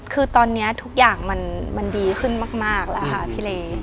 คือตอนนี้ทุกอย่างมันดีขึ้นมากแล้วค่ะพี่เล